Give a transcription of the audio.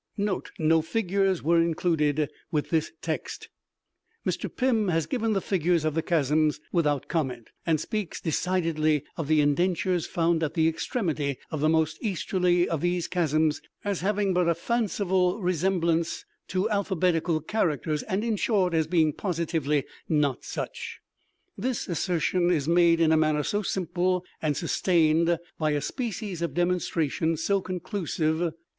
}. (Note: No figures were included with this text) Mr. Pym has given the figures of the chasms without comment, and speaks decidedly of the _indentures_found at the extremity of the most easterly of these chasms as having but a fanciful resemblance to alphabetical characters, and, in short, as being positively _not such. _This assertion is made in a manner so simple, and sustained by a species of demonstration so conclusive (viz.